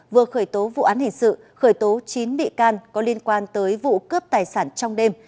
vừa khởi tố vụ án hình sự khởi tố chín bị can có liên quan tới vụ cướp tài sản trong đêm